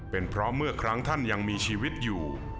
เป็นเพราะเมื่อครั้งท่านยังมีชีวิตอยู่